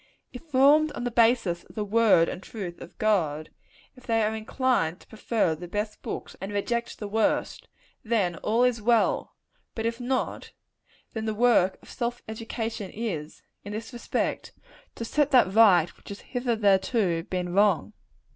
If formed on the basis of the word and truth of God if they are inclined to prefer the best books and reject the worst then all is well but if not, then the work of self education is, in this respect, to set that right which has hitherto been wrong.